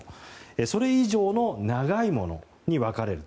それ以上の長いものに分かれると。